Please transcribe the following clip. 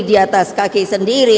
di atas kaki sendiri